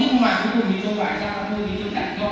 đề xuất là mình lấy cái cuốn một nghìn chín trăm ba mươi hai làm sách